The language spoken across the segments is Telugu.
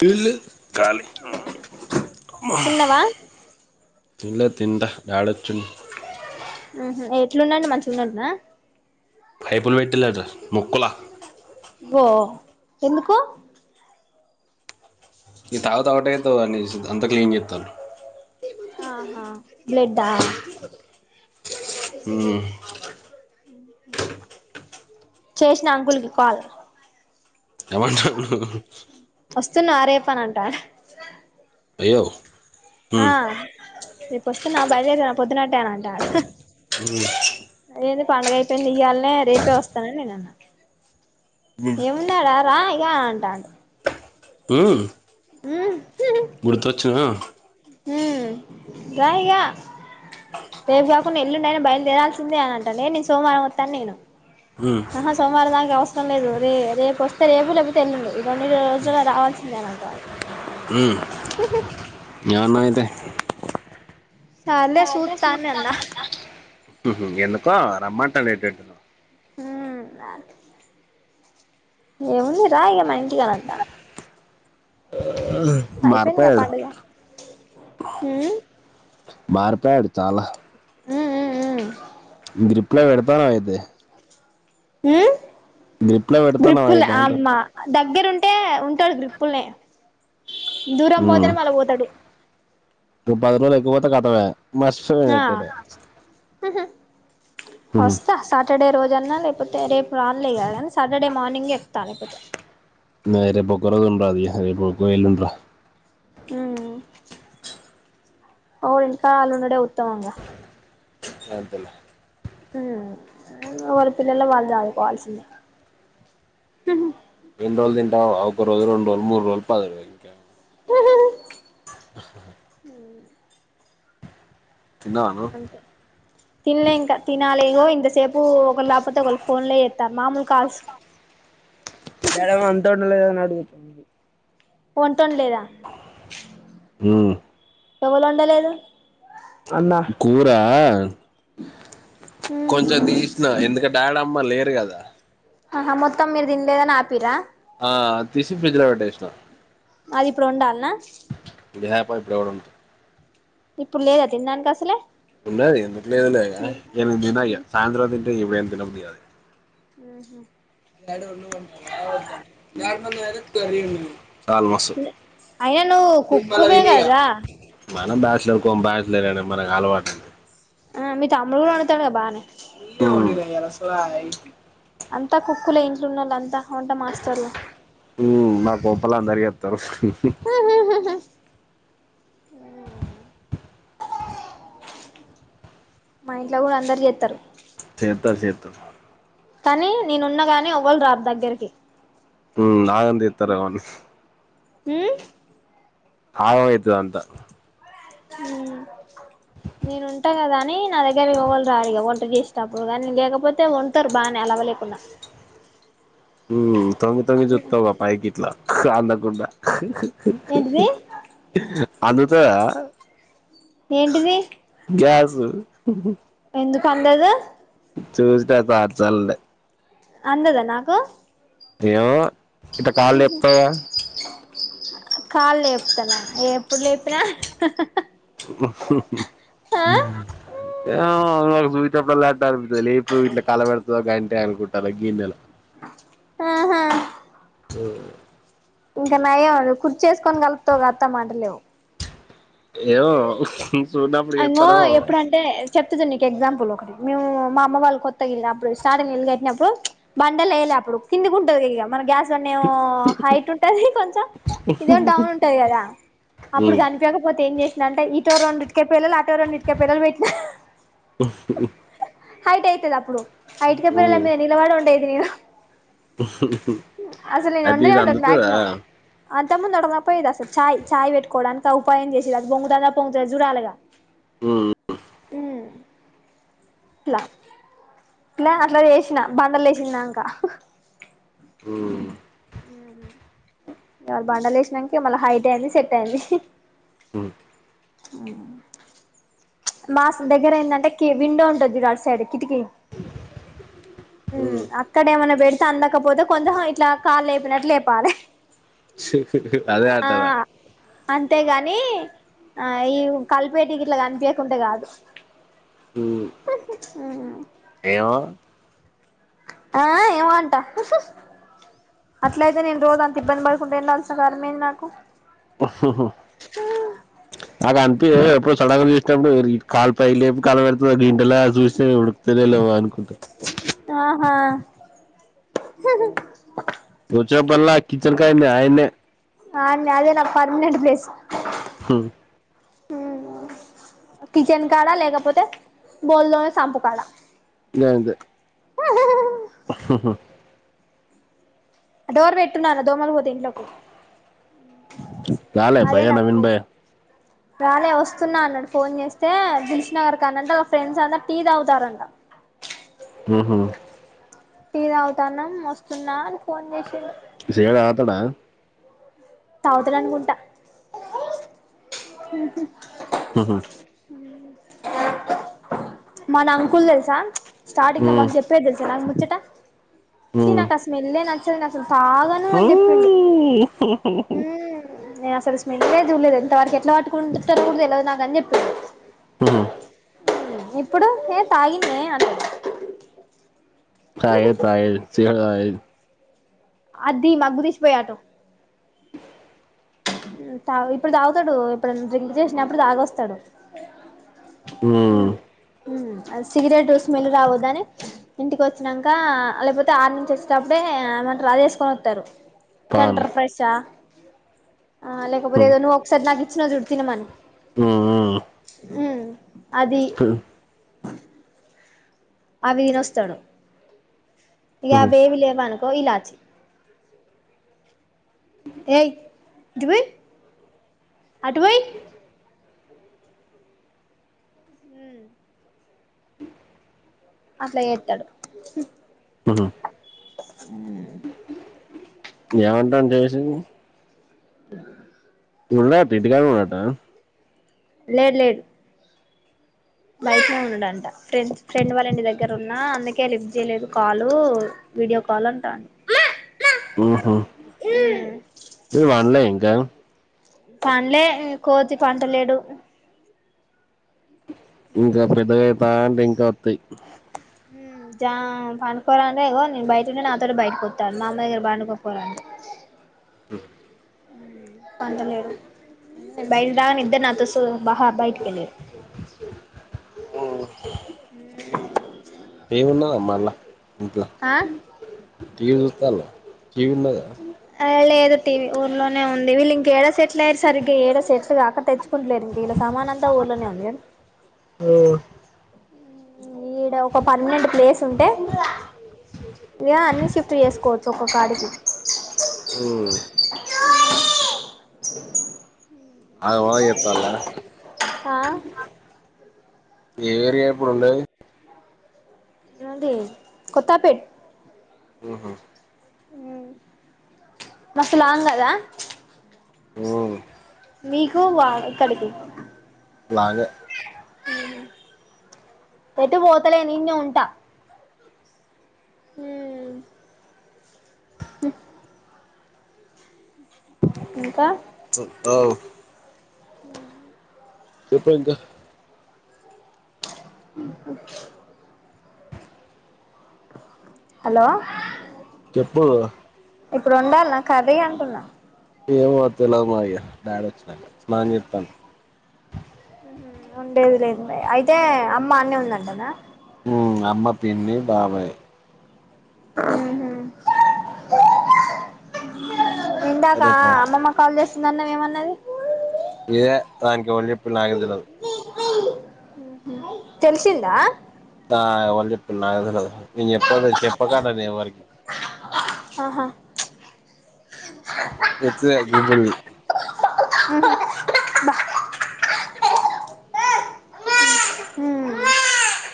కీళ కాల తిన్నవా తల తింట డాడొచ్చుండి ఎట్లున్నాండి మంచిగా ఉన్నంటనా అైపులు వయిటిలేటా ముక్కలా ఓ ఎందుకు ఈ తాగు తాగట అ త అని అంతా క్లీన్ చేస్తాను ఆహా బ్లడ్ హ్మ్ చేసిన అంకులకి కాల్ ఎమంట న్న అరేప్పనంట అయ్యో ఆ ఉమ్, నేపు వస్తున్న బయలుేద పొద్దునట్టే అన అంటానుందు పండుగ అయిపోయి నియ్యాలనే రేపే వస్తాన నేనన్న ఎమన్నాడ రా అంటాంట హ్మ్ గుర్తొచ్చిన రాయిగా రేపు కాకుండా ఎల్లుంయని బయలుదేరాల్సిందే అని అంటా న నేను సోమవారం వస్తాను నేను ఉమ్, ఆ సోమవారం దానికి అవసరం లేదు రే రేపు వస్తు రేపు లేకపోతే తెల్ళండి రెండు రోజులు రావాల్సిందే అనంత ఉమ్ నాయితే సర్లే చాలే సూత్తా అని అన్నా సూత్తనే అన్న. హ్మ్ హూ ఎళ్ళకు? ఆ రమ్మాంటాను ఏంటెన్టో. హ్మ్ రాలే? ఏముంది రా ఇగ మా ఇంటికిఅనిఅంట. అయిపోయిందిగా మార్పోయాడు పండుగ ఉమ్ మార్పు. పెడు చాలా! హ్మ్ హు హ్మ్ హు హ్మ్ హు గ్రిఫ్లో పెడతాన్నవయితే. హ్మ్? పెడతాను గ్రిపుల్ అయితే అంటాడు అమ్మ దగ్గరు ఉంటె ఉంటే ఉంటాది. గ్రిఫ్లో. దూరం పోతేనే మళ్ళ పోతాడు. నువ్వు పది రోజులు ఎక్కుకపోతే కట్టవే. మస్తుగపెట్టిరి. హ్మ్ హు! వస్తా సాటర్డే రోజు. అన్నా లేకపోతే రేపు రానులే కానీ సాటర్డే మార్నింగ్ చెప్తా లేకపోతే. రే పొక్క రోజు ఉండాలి రెపో ఎల్లుండో. హ్మ్ అవు ఇంకా వాళ్ళు ఉండడమే ఉత్తమంగా. అదల్ [unintelligible] హ్మ్! ఊళ్లో వాళ్ల పిల్లలు వాళ్ళు చేసుకోవాల్సిందే. ఎన్ని రోజులు తింటావు? ఒక రోజు, రెడు రోజలు, మూడు రోజులు, పది రోజులు ఇంకా! హ్మ్ హు! తిన్నావా నువ్వు అంతే, తిన్లే ఇంకా తినాలిగో. ఇంతసేపు. అబ్బో ఒకరు లేకపోతే ఒకళ్ళు ఫోన్ లో చెత్తామా మామూలు. కాజ [unintelligible] సరే వంటండలేదు. డుగుంది [unintelligible] ఫోన్ ఇట్టం లేదా? ఉమ్ ఎవ్వలొండలేదు. అన్నా! కూరా. కొంచెం తీసినా ఎందుకంటె. డాడమ్మ లేరు కదా? ఆహా! మొత్తం మీరు తినలేదని ఆపిర్ రా? ఆ తీసి ఫ్రిజ్ లో పెట్టేసా. అది ఇప్పుడు ఉండాలన్న? హ్యాపై ప్రౌడంతో ఇప్పుడు లేదా తినడానికి అసలే ఉన్నది ఎందుకులేదు లే ఏ దినయ సాయంత్రం ద ఏ ఇప్పుడేం తినబుద్ధికాలే ఉమ్ హ్మ్మ్ తరేము అయ్య నువ్వు కుక్కువేగద మనం బ్యాచలర్ కో బ్యాచలర్ అనా మనకు అలవాటు ఆ మీ తమ్ములు కూడా వొందుతాడుగా బానే ఆ జున్నల్లంతా మాకు గొప్పలందరికీ చెప్తాం అ మా ఇంట్లో కూడా అందరు చెస్తారు చెత్తారు చెత్తారు కానీ నేనున్నగాని ఎవ్వళ్ళు రారు దగ్గరికి హుమ్ నగధితరేమో అన్ హ్మ్మ్ ఆగమైతాద్ అంత ఉమ్ నేను ఉంటా కదా అని నా దగ్గర ఎవ్వాళ్ళు రారు ఇగ వంట చేసేటప్పుడు కానీ లేకపోతే వంటారు బాగానే అలావ లేకుండా ఉమ్ తొగ్గి తొగ్గి జుత్తవ్గా పైకి ఇట్ల రాగ్ గుడ్డ ఏంటిది అందుతాదా ఏంటిది గ్యాస్ గుర్ ఎందుకు అందదు చూసినా చల్సార్ల్నే అందదా నాకు ఏమో ఇట్ట కాళ్ళు లేపుతావుగా ఉహా కాళ్ళు లేపుతాన్నా ఎప్పుడు లేపిన అ చెప్పల్ తవిటితో లేేపు ఇట్లో కలబెడతు అంటే అనుకుంటారు గిన్నెలో ఆహా ఓ ఇంకా నయ నువ్ కూర్చుకొని కలుపుతగా అత్తమ్మ అంటలేవు ఏమో చూడనప్పుడు అంగో చేత్తరో ఎప్పుడు అంటే చెప్తు చూడు నీకి ఎగ్జాపుల్ ఒకటి మీ మా అమ్మ వాళ్ళు కొత్తగా వెళ్ళినప్పుడు స్టార్టింగ్ ఇల్లు కట్టినప్పుడు బండలు వేలేప్పుడు కింది ఉంటుంది మన గ్యాస్ కొని ఏమో హైట్ ఉంటది కొంచెం ఇదే డౌన్ ఉంటది కదా అప్పుడు ఉమ్ కనిపకపోతే ఏం చే అంటే ఇటు రెండు ఈట్ పేలల ఆటవ రెండిటికీ పేలలు బెట్నా హైట్ అయితది అప్పుడు ఐటికిప్పుర ఎ మే నలవడ ఉండేద్ ఇ ఆది నీ అందుతుదా అంత ముందు నడవక పోయది అస చాయ్ చాయ్ పెట్కోవడానికి ఉపాయం చేసిది బొంగదా పంగతు జురాలగా ఉమ్ హమ్ ప్లా ఇలా అట్లా చేసినా బండాలు వేసినాంకా ఉమ్ ఉమ్ ఇవాళ బండలు వసినానికిళ హైట్ అయింది సెట్ అయింది ఉమ్ మా దగ్గర ఏంటంటే విండో ఉంటుది సైడ్ కిటికీ ఉమ్ అక్కడ ఏమైనా పెడితే అందకపోతే కొంచెం హై ఇట్లా కాళ్ లేపినట్లు లేపాలి అదే ఆ ఆటదా అంతేగాని ఆ ఈ కలిపేటికి ఇట్లా కనిపకుంటే కాదు ఏమో ఆ ఏమంటా అట్ల అయితే నేను రోజు అంత ఇబ్బంది పడుకుంటే వెళ్ళాల్సిన కార్మేంది నాకు అగా అనిపి ఎప్పుడు సడ ప్పుడు కాల్ పై లేపు కాల పెడుతుంది గ ఇంటెలా చూస్తే ఇప్పుడు తెలిలేవా అనుకుంటా ఆ రోజ్ వచ్చినపుడు అల్లా ఆ కిచెన్ కడనే మీ ఆయనే అనే అదే నా పర్మనెంట్ ప్లేస్ హు ఉమ్ కిచెన్ కాడా లేకపోతే బోల్ తోమే సాాంపు కాడా అంతే [unintelligible] హహ డోర్ పెట్టున్నాన్న దోమలు పోతా యి ఇంట్లకు రాలే భైయా నవీన్ బాయా రాలే వస్తున్నా అన్నాడు ఫోన్ చేస్తే దిల్ షూ నగర్ కాడ అంటే వల్ల ఫ్రెండ్స్ అంతా టీ తాగుతున్నారంట ఉ హు టీ తాగుతున్నాము వస్తున్నా అని ఫోన్ చేసిడు సిగరెట్ తగ్గుతాడా తాగుతాడు అనుకుంట మ్మ్ హ్మ్ మ్మ్ హ్మ్ మన అంకుల్ తెల్సా స్టార్టింగ్ లో ఉమ్ మస్త్ చెప్పేది తెలుసా నాకు ము చ్చట చి నాకు ఆ స్మెల్లే నచ్ నచ్చదు నాకు మ్మ్ నేనస్సలు స్మెల్లే చూడలేదు ఇంత వరకే ట్ల పట్టుకుంటుతరు కూడా తెలువది నాకు అన్ని పె ఉహు మ్మ్ ఇప్పుడు నే తాగిన్నే అన్నడు తాగేది తాగేది సిగరెట్ తా [unintelligible] అది మగ్గు తీసపోయి ఆటో తా ఇప్పుడు తాగుతడు ఎప్పుడన్న డ్రింక్ చేసినప్పుడు తాగొస్తడు మ్మ్ మ్మ్ అది సిగరెట్ స్మెల్ రావద్దని ఇంటికి వచ్చినంక లేకపోతే ఆడ నుంచి వచ్చేటప్పుడే ఏమంట రా చేసుకొని వత్తారు. పాన్ సెంటర్ ఫ్రెషా ఆ లేకపోతే ఏదో ఒక సారి నా ఇచ్చినవు చూడు తినమని మ్మ్ మ్మ్ మ్మ్ అది అవి నొస్తడు ఉమ్ ఇగవేవి లేవను కోయిలాచి ఏయ్ ఇటు తీ అటు అట్లా చేత్తడు హ్మ్ హ్మ్ ఏమంటాండు చేసి అ ఉన్నాయంట ఇంటికాడ నున్నంట లేడ్ లేడు బైటనే ఉన్నడంట ఫ్రెండ్స్ ఫ్రెండ్ వాళ్ళ ఇంటి దగ్గర ఉన్నా అందుకే లిఫ్ట్ చేయలేదు కాలు వీడియో కాల్ అంటాండు హా హా పండలే కోతి పంట లేడు ఇంకా పెద్దగై [unintelligible] పండుకోవాలంటే నేను బయటంటే నాతోటి బయట పోతాను మా అమ్మ దగ్గర పండుకోపోరా అంటే హ పంటలేడు బయలు రాని ఇద్దరు నాతోస బహా బయటిక వెళ్ళరు హ్ హమ్ ఏవున్నదమ్మ అల్ల ఇట్ల ఆ టీవీ చూస్తాల్ల టీవీ ఉన్నగా లేదు టీవీ ఊర్లోనే ఉంది వీల్లు ఇంక ఏడ సెటిల్ అయారు సారిగ్గా ఇక ఏడ సట్లు కాకట్ట తెచ్చ కులేరు ఇంక ఇలా సామానంతా ఊర్లోనే ఉంది కా ఈడ ఒక పర్మనెంట్ ప్లేస్ ఉంటే ఇక అన్ని షిఫ్ట్ చేసుకోవచ్చు ఒక్క కాడికి ఉ ఆగమగం చేతల్లా ఆ ఏ ఏరియా ఇప్పుడుండేది నాది కొత్తపేట్ ఆహ్ మస్సు లాంగ్ గద ఉమ్ మీకు ఇక్కడికి లాగే పెట్టు పోతలేను ఇన్నె ఉంటా హమ్ హ్ ఇంకా కుత్త అవు ఎప్పుడు ఇంకా హలో [unintelligible] ఇప్పుడు వొండాలన కర్రీ అంటున్నా ఏ వతలా మాయ బడాడ వచ్చలాన్తాను ఉండేది లేద అయితే అమ్మా అన్న ఉందంటనా అమ్మ పిన్ని బాబాయ ఆహ ఇందాక రేపు అమ్మమ్మ కాల్ చేస్తుందన్న ఏమన్నా [unintelligible] ఇద నానికి ఒళ్ పిల్ ఆగ అల ఊహు తల్లిసింధ ఆ ఎవళు చేపీలు నాకు తేల్వదు నేను చేపలే చేపాక్ నేను ఎవరికి ఆహా ప్రతి గూపల్లి ఆ అవ ఉ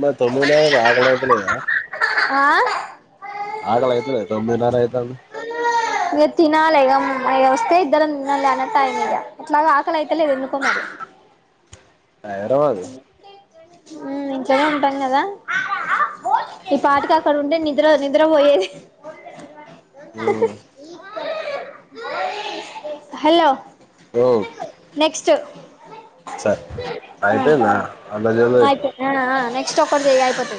మ తొమిళ ఆకల్యితలేద ఆ ఆకలితలే తొమ్మిది నార అయితంది ఇగ తినాలి వస్తే ఇద్దర తిందంలే అనట్ అగిన ఇగ ఎట్లాగో ఆకలి అయితలేదు ఎదుకో మరి హైరాబాదు ఉ ఇంట్లనే ఉంటాం కదా ఈ పాటికీ అక్కడ ఉంటే నీ నిద నిద్ర పోయేది హహ హలో ఓ నెక్స్ట్ అంటేనా ఏపీ ఆ ఆ నీ నెక్స్ట్ ఒకటి చాయ్ అయిపోత